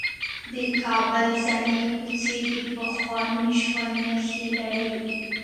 د کابل زړې کوڅې د پخواني ژوند نښې لري.